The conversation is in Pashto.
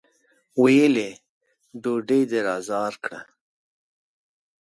ويې ويل: ډوډۍ دې را زار کړه!